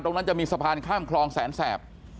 ตรงนั้นจะมีสะพานข้ามคลองแสนแสบ